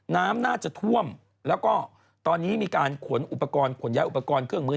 น้ำน่าจะท่วมแล้วก็ตอนนี้มีการขนอุปกรณ์ขนย้ายอุปกรณ์เครื่องมือ